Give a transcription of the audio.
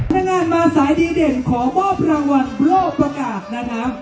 งานมาสายดีเด่นขอมอบรางวัลโลกประกาศนะคะ